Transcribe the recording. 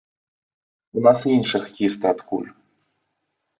У нас і іншыя хакеісты адкуль?